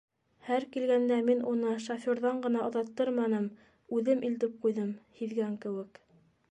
Һәр килгәндә мин уны шофёрҙан ғына оҙаттырманым, үҙем илтеп ҡуйҙым, һиҙгән кеүек...